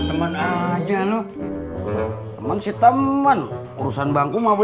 temen aja lu teman si temen urusan bangku mah beda